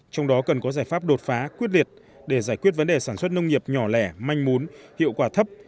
trong đó cần có giải pháp đột phá quyết liệt để giải quyết vấn đề sản xuất nông nghiệp nhỏ lẻ manh mún hiệu quả thấp